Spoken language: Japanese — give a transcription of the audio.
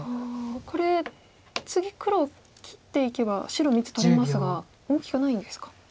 これ次黒切っていけば白３つ取れますが大きくないんですか。